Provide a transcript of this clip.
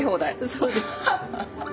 そうです。